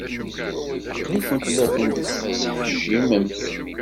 Aql-ikent la ten-tettḥeccimemt.